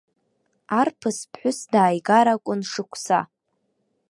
Арԥыс ԥҳәыс дааигар акәын шықәса.